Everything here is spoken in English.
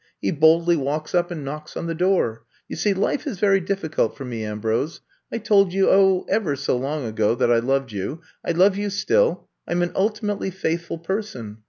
He boldly walks up and knocks on the door. You see, life is very diflBcult for me, Ambrose. I told you, oh, ever so long ago that I loved you. I love you still. I 'm an ultimately faithful person.